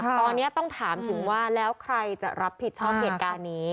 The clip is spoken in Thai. ตอนนี้ต้องถามถึงว่าแล้วใครจะรับผิดชอบเหตุการณ์นี้